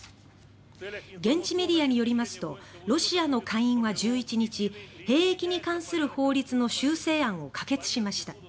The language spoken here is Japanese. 現地メディアによりますとロシアの下院は１１日兵役に関する法律の修正案を可決しました。